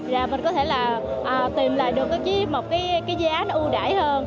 rồi mình có thể là tìm lại được cái giá nó ưu đải hơn